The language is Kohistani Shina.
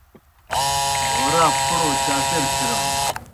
بھورا پْھڑوْ چاپیر پِھرانوْ۔